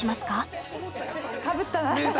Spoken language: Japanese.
かぶったな！